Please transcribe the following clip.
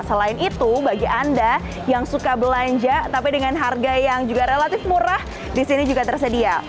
selain itu bagi anda yang suka belanja tapi dengan harga yang juga relatif murah disini juga tersedia